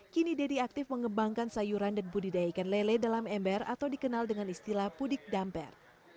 kini deddy aktif mengembangkan sayuran dan budidaya ikan lele dalam ember atau dikenal dengan istilah pudik damper